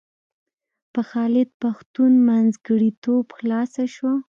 په خالد پښتون منځګړیتوب خلاصه شوه.